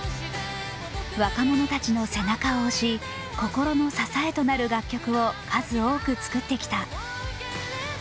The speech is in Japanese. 若者たちの背中を押し心の支えとなる楽曲を数多く作ってきた。